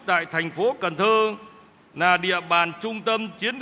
tại thành phố cần thơ là địa bàn trung tâm chiến